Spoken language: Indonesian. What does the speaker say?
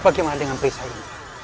bagaimana dengan perisai